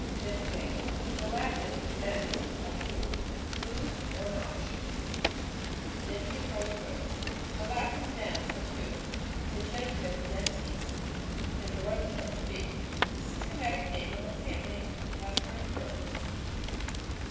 Dentate. — From the Latin, dens^ a tooth. Toothed or notched. Dentirostres — From the Latin dens, ft tooth, (in the genitive, deniis,) and rostrum, beak. Systematic name of a family of passerine birds.